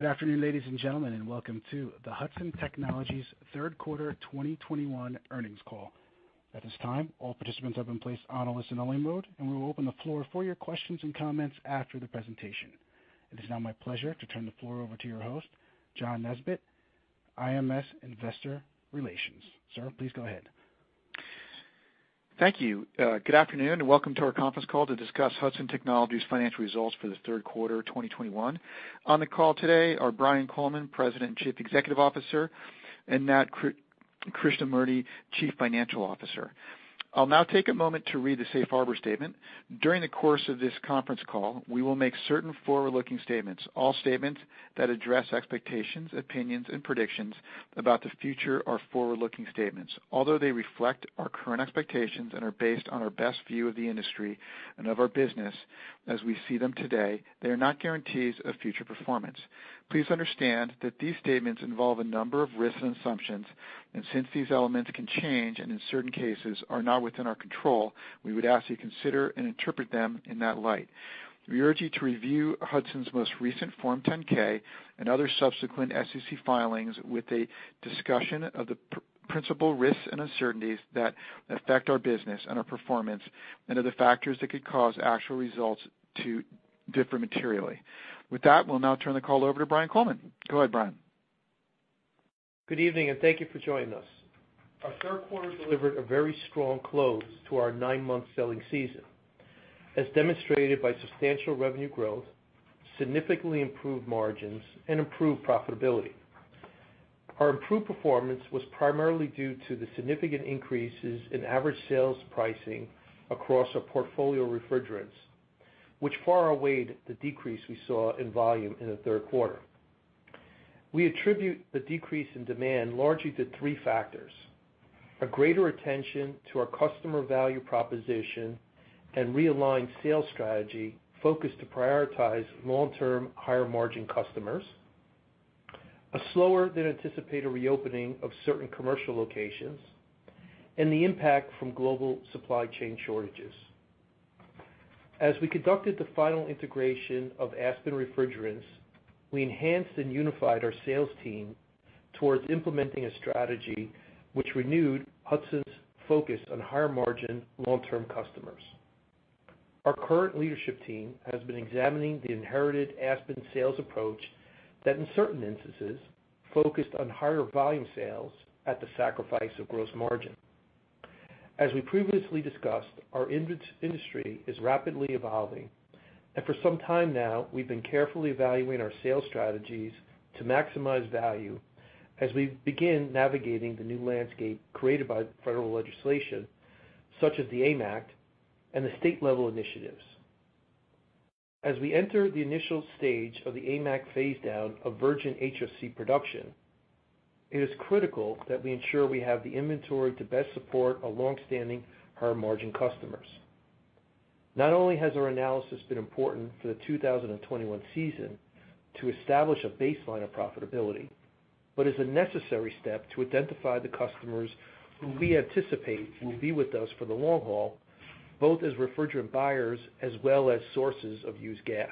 Good afternoon, ladies and gentlemen, and welcome to the Hudson Technologies third quarter 2021 earnings call. At this time, all participants have been placed on a listen-only mode, and we will open the floor for your questions and comments after the presentation. It is now my pleasure to turn the floor over to your host, John Nesbett, IMS Investor Relations. Sir, please go ahead. Thank you. Good afternoon, and welcome to our conference call to discuss Hudson Technologies financial results for the third quarter 2021. On the call today are Brian Coleman, President and Chief Executive Officer, and Nat Krishnamurti, Chief Financial Officer. I'll now take a moment to read the safe harbor statement. During the course of this conference call, we will make certain forward-looking statements. All statements that address expectations, opinions, and predictions about the future are forward-looking statements. Although they reflect our current expectations and are based on our best view of the industry and of our business as we see them today, they are not guarantees of future performance. Please understand that these statements involve a number of risks and assumptions, and since these elements can change and in certain cases are not within our control, we would ask you to consider and interpret them in that light. We urge you to review Hudson's most recent Form 10-K and other subsequent SEC filings with a discussion of the principal risks and uncertainties that affect our business and our performance and other factors that could cause actual results to differ materially. With that, we'll now turn the call over to Brian Coleman. Go ahead, Brian. Good evening, and thank you for joining us. Our third quarter delivered a very strong close to our nine-month selling season, as demonstrated by substantial revenue growth, significantly improved margins, and improved profitability. Our improved performance was primarily due to the significant increases in average sales pricing across our portfolio of refrigerants, which far outweighed the decrease we saw in volume in the third quarter. We attribute the decrease in demand largely to three factors, a greater attention to our customer value proposition and realigned sales strategy focused to prioritize long-term, higher-margin customers, a slower than anticipated reopening of certain commercial locations, and the impact from global supply chain shortages. As we conducted the final integration of Aspen Refrigerants, we enhanced and unified our sales team towards implementing a strategy which renewed Hudson's focus on higher-margin, long-term customers. Our current leadership team has been examining the inherited Aspen sales approach that, in certain instances, focused on higher volume sales at the sacrifice of gross margin. As we previously discussed, our industry is rapidly evolving, and for some time now, we've been carefully evaluating our sales strategies to maximize value as we begin navigating the new landscape created by federal legislation, such as the AIM Act and the state-level initiatives. As we enter the initial stage of the AIM Act phasedown of virgin HFC production, it is critical that we ensure we have the inventory to best support our long-standing higher-margin customers. Not only has our analysis been important for the 2021 season to establish a baseline of profitability, but it is a necessary step to identify the customers who we anticipate will be with us for the long haul, both as refrigerant buyers as well as sources of used gas.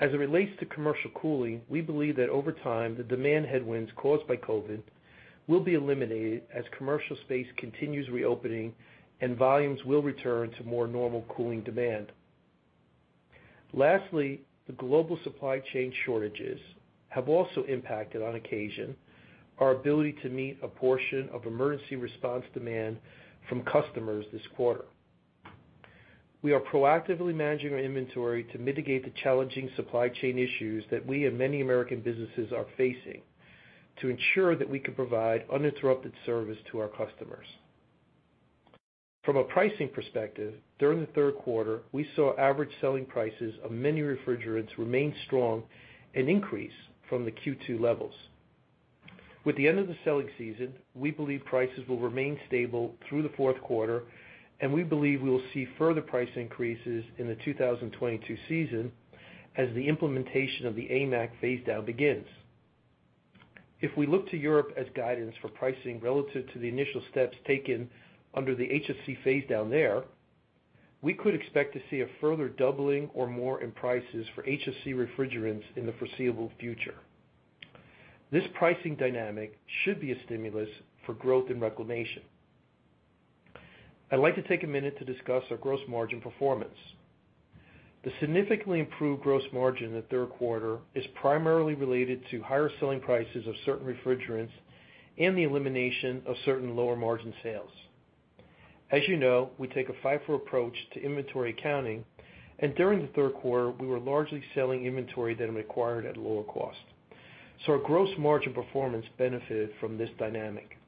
As it relates to commercial cooling, we believe that over time, the demand headwinds caused by COVID will be eliminated as commercial space continues reopening and volumes will return to more normal cooling demand. Lastly, the global supply chain shortages have also impacted, on occasion, our ability to meet a portion of emergency response demand from customers this quarter. We are proactively managing our inventory to mitigate the challenging supply chain issues that we and many American businesses are facing to ensure that we can provide uninterrupted service to our customers. From a pricing perspective, during the third quarter, we saw average selling prices of many refrigerants remain strong and increase from the Q2 levels. With the end of the selling season, we believe prices will remain stable through the fourth quarter, and we believe we will see further price increases in the 2022 season as the implementation of the AIM Act phasedown begins. If we look to Europe as guidance for pricing relative to the initial steps taken under the HFC phasedown there, we could expect to see a further doubling or more in prices for HFC refrigerants in the foreseeable future. This pricing dynamic should be a stimulus for growth in reclamation. I'd like to take a minute to discuss our gross margin performance. The significantly improved gross margin in the third quarter is primarily related to higher selling prices of certain refrigerants and the elimination of certain lower-margin sales. As you know, we take a FIFO approach to inventory accounting, and during the third quarter, we were largely selling inventory that we acquired at a lower cost. Our gross margin performance benefited from this dynamic.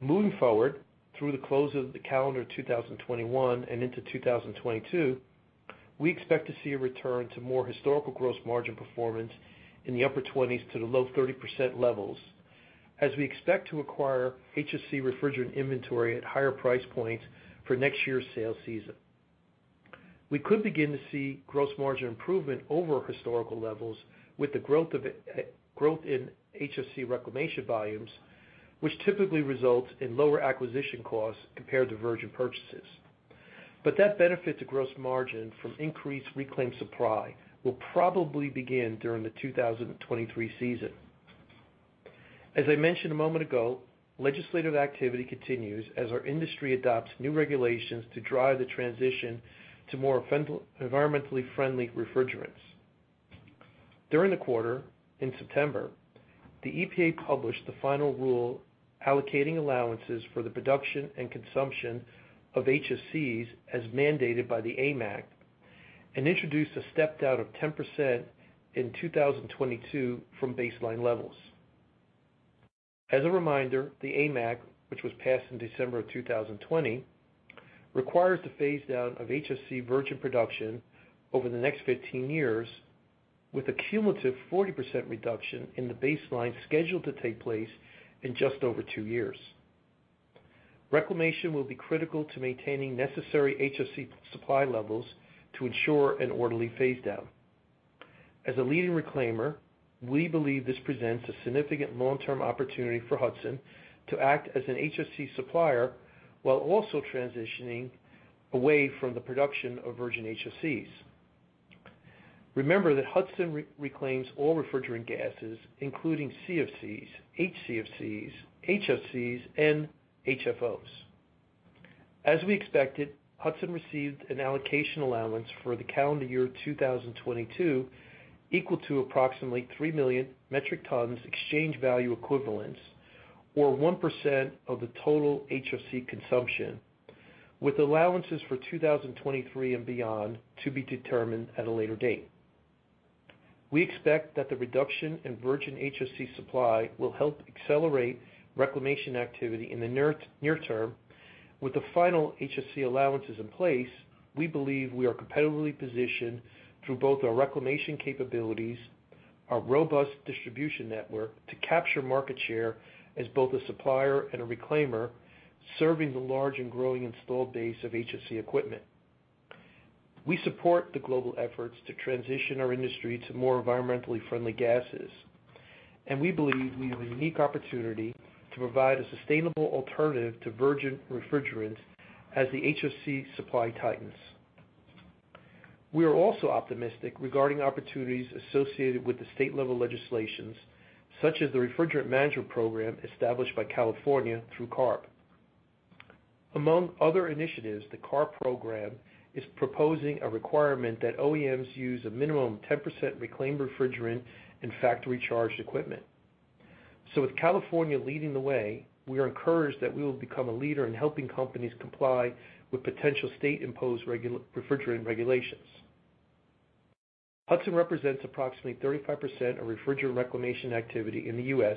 Moving forward, through the close of the calendar 2021 and into 2022, we expect to see a return to more historical gross margin performance in the upper 20s%-low 30% levels as we expect to acquire HFC refrigerant inventory at higher price points for next year's sales season. We could begin to see gross margin improvement over historical levels with the growth in HFC reclamation volumes, which typically results in lower acquisition costs compared to virgin purchases. That benefit to gross margin from increased reclaimed supply will probably begin during the 2023 season. As I mentioned a moment ago, legislative activity continues as our industry adopts new regulations to drive the transition to environmentally friendly refrigerants. During the quarter, in September, the EPA published the final rule allocating allowances for the production and consumption of HFCs as mandated by the AIM Act, and introduced a step-down of 10% in 2022 from baseline levels. As a reminder, the AIM Act, which was passed in December 2020, requires the phasedown of HFC virgin production over the next 15 years, with a cumulative 40% reduction in the baseline scheduled to take place in just over two years. Reclamation will be critical to maintaining necessary HFC supply levels to ensure an orderly phasedown. As a leading reclaimer, we believe this presents a significant long-term opportunity for Hudson to act as an HFC supplier while also transitioning away from the production of virgin HFCs. Remember that Hudson reclaims all refrigerant gases, including CFCs, HCFCs, HFCs, and HFOs. As we expected, Hudson received an allocation allowance for the calendar year 2022 equal to approximately 3 million metric tons of exchange value equivalent, or 1% of the total HFC consumption, with allowances for 2023 and beyond to be determined at a later date. We expect that the reduction in virgin HFC supply will help accelerate reclamation activity in the near term. With the final HFC allowances in place, we believe we are competitively positioned through both our reclamation capabilities, our robust distribution network to capture market share as both a supplier and a reclaimer, serving the large and growing installed base of HFC equipment. We support the global efforts to transition our industry to more environmentally friendly gases, and we believe we have a unique opportunity to provide a sustainable alternative to virgin refrigerants as the HFC supply tightens. We are also optimistic regarding opportunities associated with the state-level legislations, such as the Refrigerant Management Program established by California through CARB. Among other initiatives, the CARB program is proposing a requirement that OEMs use a minimum 10% reclaimed refrigerant in factory charged equipment. With California leading the way, we are encouraged that we will become a leader in helping companies comply with potential state-imposed refrigerant regulations. Hudson represents approximately 35% of refrigerant reclamation activity in the U.S.,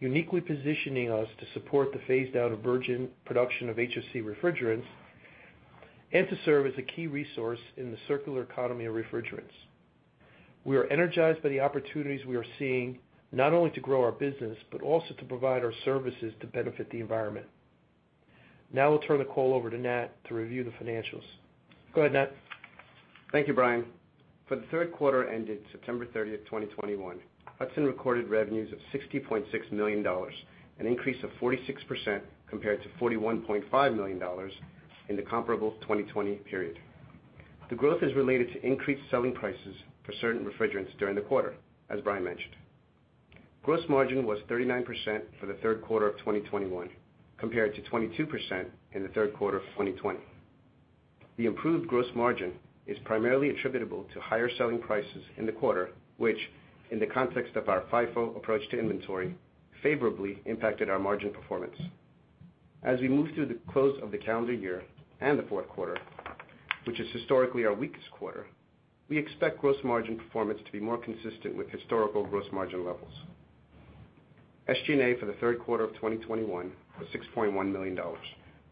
uniquely positioning us to support the phase out of virgin production of HFC refrigerants and to serve as a key resource in the circular economy of refrigerants. We are energized by the opportunities we are seeing, not only to grow our business, but also to provide our services to benefit the environment. Now I'll turn the call over to Nat to review the financials. Go ahead, Nat. Thank you, Brian. For the third quarter ended September 30th, 2021, Hudson recorded revenues of $60.6 million, an increase of 46% compared to $41.5 million in the comparable 2020 period. The growth is related to increased selling prices for certain refrigerants during the quarter, as Brian mentioned. Gross margin was 39% for the third quarter of 2021, compared to 22% in the third quarter of 2020. The improved gross margin is primarily attributable to higher selling prices in the quarter, which, in the context of our FIFO approach to inventory, favorably impacted our margin performance. As we move through the close of the calendar year and the fourth quarter, which is historically our weakest quarter, we expect gross margin performance to be more consistent with historical gross margin levels. SG&A for the third quarter of 2021 was $6.1 million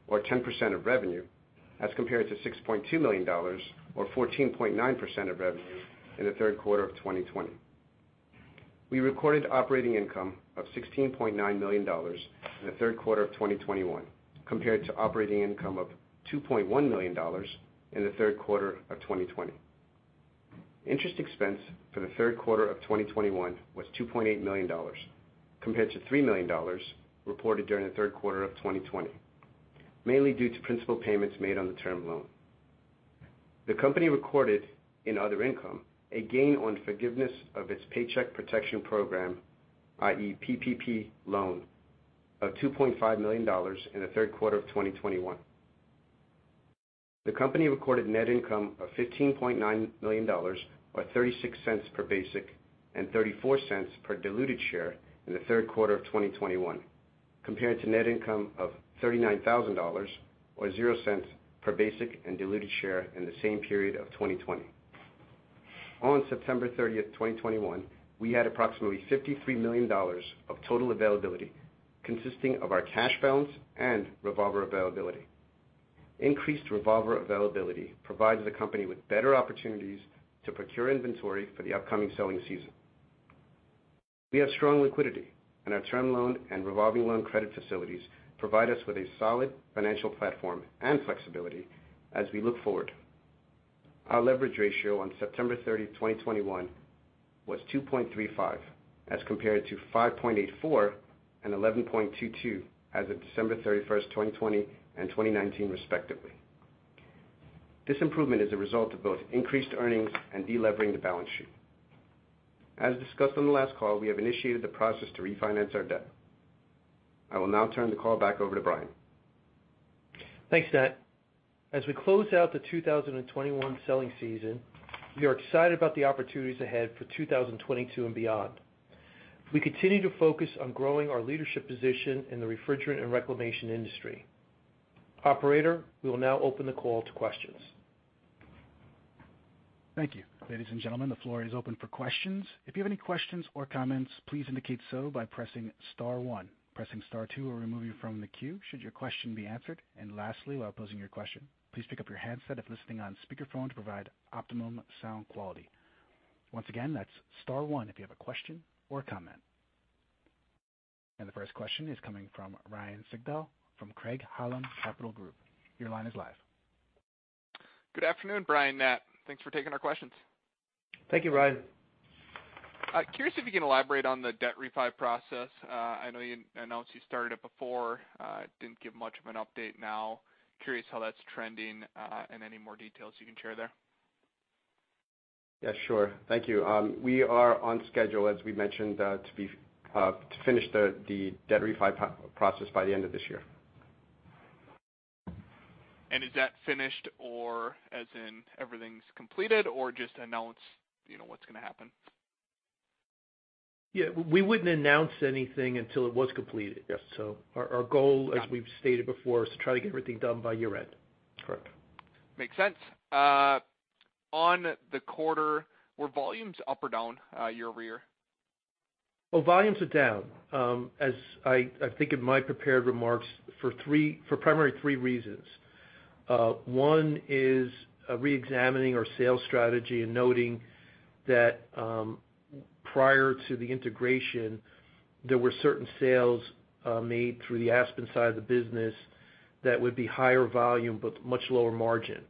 or 10% of revenue, as compared to $6.2 million or 14.9% of revenue in the third quarter of 2020. We recorded operating income of $16.9 million in the third quarter of 2021 compared to operating income of $2.1 million in the third quarter of 2020. Interest expense for the third quarter of 2021 was $2.8 million compared to $3 million reported during the third quarter of 2020, mainly due to principal payments made on the term loan. The company recorded in other income a gain on forgiveness of its Paycheck Protection Program, i.e. PPP loan, of $2.5 million in the third quarter of 2021. The company recorded net income of $15.9 million, or $0.36 per basic and $0.34 per diluted share in the third quarter of 2021, compared to net income of $39,000 or $0.00 per basic and diluted share in the same period of 2020. On September 30th, 2021, we had approximately $53 million of total availability consisting of our cash balance and revolver availability. Increased revolver availability provides the company with better opportunities to procure inventory for the upcoming selling season. We have strong liquidity, and our term loan and revolving loan credit facilities provide us with a solid financial platform and flexibility as we look forward. Our leverage ratio on September 30th, 2021 was 2.35x, as compared to 5.84x and 11.22x as of December 31st, 2020 and 2019 respectively. This improvement is a result of both increased earnings and delevering the balance sheet. As discussed on the last call, we have initiated the process to refinance our debt. I will now turn the call back over to Brian. Thanks, Nat. As we close out the 2021 selling season, we are excited about the opportunities ahead for 2022 and beyond. We continue to focus on growing our leadership position in the refrigerant and reclamation industry. Operator, we will now open the call to questions. Thank you. Ladies and gentlemen, the floor is open for questions. If you have any questions or comments, please indicate so by pressing star one. Pressing star two will remove you from the queue should your question be answered. Lastly, while posing your question, please pick up your handset if listening on speakerphone to provide optimum sound quality. Once again, that's star one if you have a question or comment. The first question is coming from Ryan Sigdahl from Craig-Hallum Capital Group. Your line is live. Good afternoon, Brian, Nat. Thanks for taking our questions. Thank you, Ryan. I'm curious if you can elaborate on the debt refi process. I know you announced you started it before, didn't give much of an update now. I'm curious how that's trending, and any more details you can share there. Yeah, sure. Thank you. We are on schedule, as we mentioned, to finish the debt refi process by the end of this year. Is that finished or as in everything's completed or just announce, you know, what's gonna happen? Yeah, we wouldn't announce anything until it was completed. Yes. Our goal. Got it. As we've stated before, is to try to get everything done by year-end. Correct. Makes sense. On the quarter, were volumes up or down, year-over-year? Well, volumes are down, as, I think, in my prepared remarks for primarily three reasons. One is re-examining our sales strategy and noting that, prior to the integration, there were certain sales made through the Aspen side of the business that would be higher volume but much lower margin.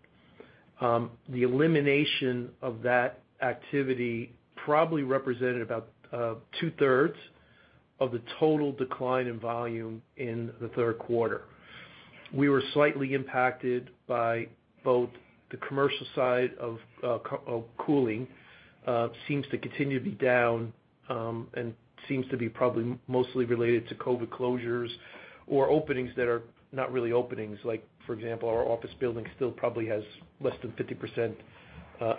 The elimination of that activity probably represented about 2/3 of the total decline in volume in the third quarter. We were slightly impacted by both the commercial side of cooling, seems to continue to be down, and seems to be probably mostly related to COVID closures or openings that are not really openings. Like, for example, our office building still probably has less than 50%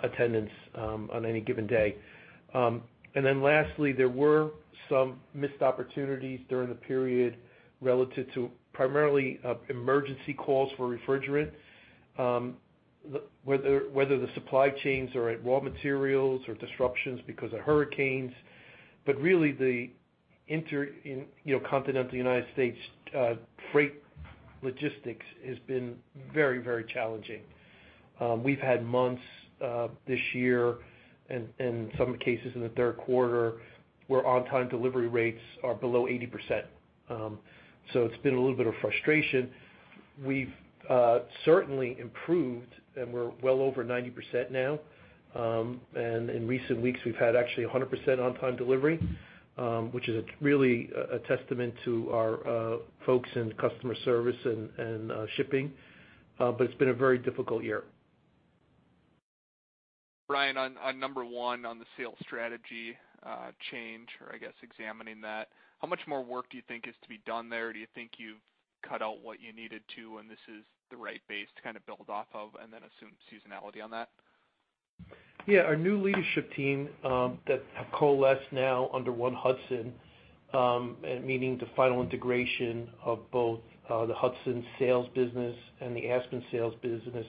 attendance on any given day. Then lastly, there were some missed opportunities during the period relative to primarily emergency calls for refrigerant, whether the supply chains are at raw materials or disruptions because of hurricanes. Really the intercontinental, you know, United States freight logistics has been very challenging. We've had months this year and some cases in the third quarter, where on-time delivery rates are below 80%. It's been a little bit of frustration. We've certainly improved, and we're well over 90% now. In recent weeks, we've had actually 100% on-time delivery, which is really a testament to our folks in customer service and shipping. It's been a very difficult year. Brian, on number one on the sales strategy change, or I guess examining that, how much more work do you think is to be done there? Do you think you've cut out what you needed to, and this is the right base to kind of build off of and then assume seasonality on that? Yeah. Our new leadership team that have coalesced now under one Hudson, meaning the final integration of both the Hudson sales business and the Aspen sales business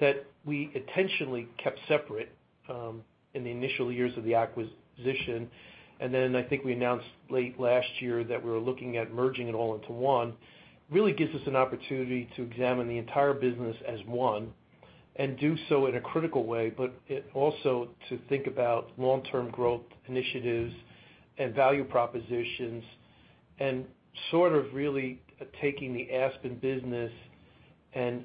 that we intentionally kept separate in the initial years of the acquisition. Then I think we announced late last year that we were looking at merging it all into one, really gives us an opportunity to examine the entire business as one and do so in a critical way, but it also to think about long-term growth initiatives and value propositions and sort of really taking the Aspen business and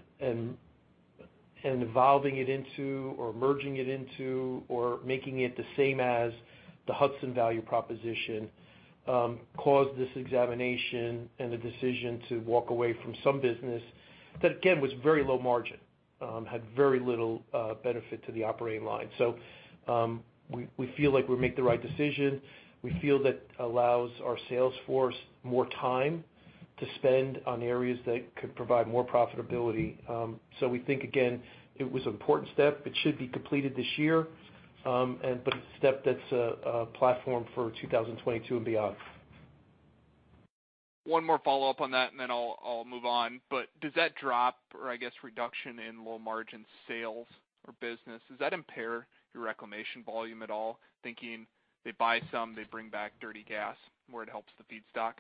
evolving it into or merging it into or making it the same as the Hudson value proposition, caused this examination and the decision to walk away from some business that, again, was very low margin, had very little benefit to the operating line. We feel like we make the right decision. We feel that allows our sales force more time to spend on areas that could provide more profitability. We think, again, it was an important step. It should be completed this year, but it's a step that's a platform for 2022 and beyond. One more follow-up on that, and then I'll move on. Does that drop or, I guess, reduction in low margin sales or business, does that impair your reclamation volume at all, thinking they buy some, they bring back dirty gas where it helps the feedstock?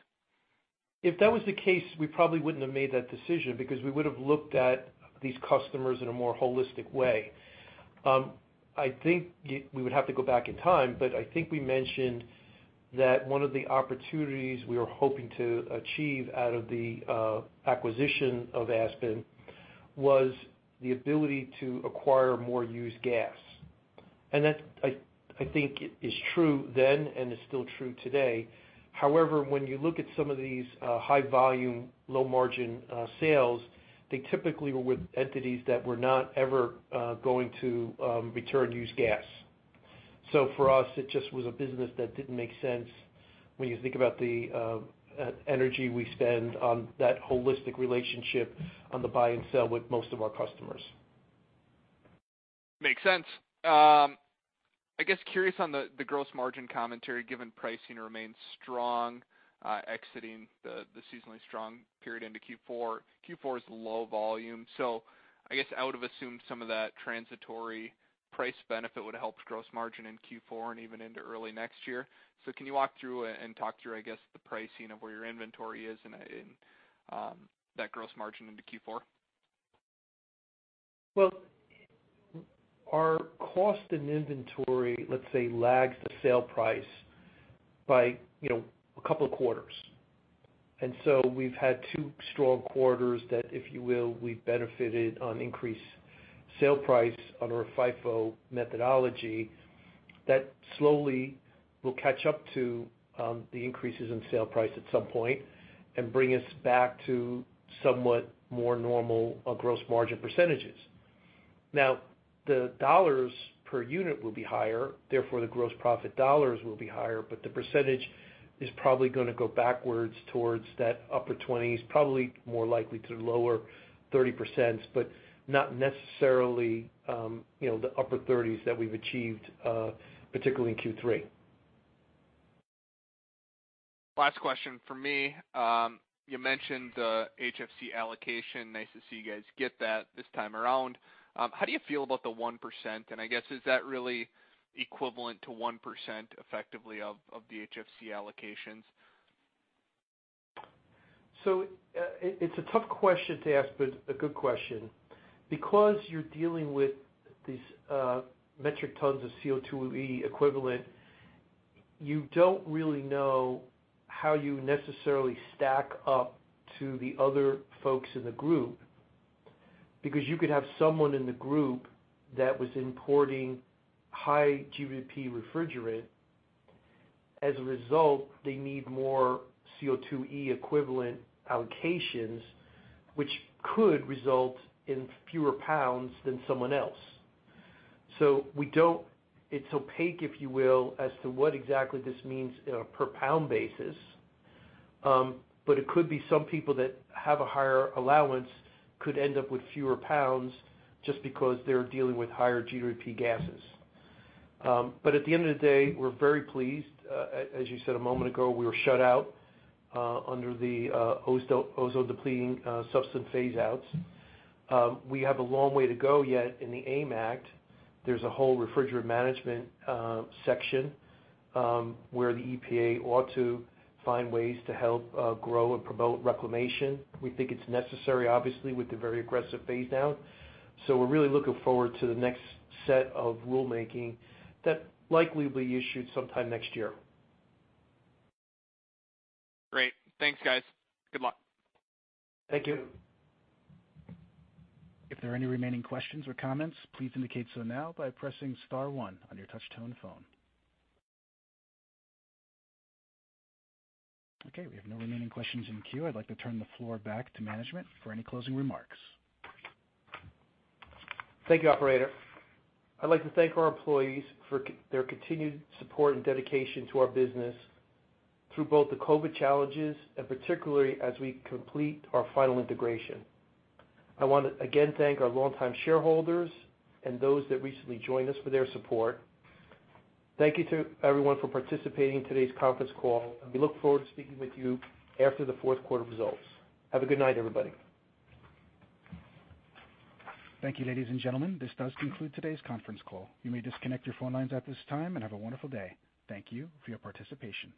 If that was the case, we probably wouldn't have made that decision because we would have looked at these customers in a more holistic way. I think we would have to go back in time, but I think we mentioned that one of the opportunities we were hoping to achieve out of the acquisition of Aspen was the ability to acquire more used gas. That, I think is true then and is still true today. However, when you look at some of these high volume, low margin sales, they typically were with entities that were not ever going to return used gas. For us, it just was a business that didn't make sense when you think about the energy we spend on that holistic relationship on the buy and sell with most of our customers. Makes sense. I guess I'm curious on the gross margin commentary, given pricing remains strong, exiting the seasonally strong period into Q4. Q4 is low volume, so I guess I would have assumed some of that transitory price benefit would help gross margin in Q4 and even into early next year. Can you walk through and talk through, I guess, the pricing of where your inventory is in that gross margin into Q4? Well, our cost and inventory, let's say, lags the sale price by, you know, a couple of quarters. We've had two strong quarters that, if you will, we benefited on increased sale price under a FIFO methodology that slowly will catch up to the increases in sale price at some point and bring us back to somewhat more normal gross margin percentages. Now, the dollars per unit will be higher, therefore, the gross profit dollars will be higher, but the percentage is probably gonna go backwards towards that upper 20s%, probably more likely to lower 30s%, but not necessarily, you know, the upper 30s% that we've achieved, particularly in Q3. Last question from me. You mentioned the HFC allocation. Nice to see you guys get that this time around. How do you feel about the 1%? I guess, is that really equivalent to 1% effectively of the HFC allocations? It's a tough question to ask, but a good question. Because you're dealing with these metric tons of CO2e equivalent, you don't really know how you necessarily stack up to the other folks in the group. Because you could have someone in the group that was importing high GWP refrigerant. As a result, they need more CO2e equivalent allocations, which could result in fewer pounds than someone else. It's opaque, if you will, as to what exactly this means in a per pound basis. But it could be some people that have a higher allowance could end up with fewer pounds just because they're dealing with higher GWP gases. But at the end of the day, we're very pleased. As you said a moment ago, we were shut out under the ozone depleting substance phase outs. We have a long way to go yet in the AIM Act. There's a whole refrigerant management section where the EPA ought to find ways to help grow and promote reclamation. We think it's necessary, obviously, with the very aggressive phase out. We're really looking forward to the next set of rulemaking that likely will be issued sometime next year. Great. Thanks, guys. Good luck. Thank you. If there are any remaining questions or comments, please indicate so now by pressing star one on your touch tone phone. Okay, we have no remaining questions in queue. I'd like to turn the floor back to management for any closing remarks. Thank you, operator. I'd like to thank our employees for their continued support and dedication to our business through both the COVID challenges and particularly as we complete our final integration. I wanna, again, thank our longtime shareholders and those that recently joined us for their support. Thank you to everyone for participating in today's conference call, and we look forward to speaking with you after the fourth quarter results. Have a good night, everybody. Thank you, ladies and gentlemen. This does conclude today's conference call. You may disconnect your phone lines at this time and have a wonderful day. Thank you for your participation.